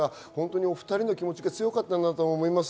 お２人の気持ちが強かったんだと思います。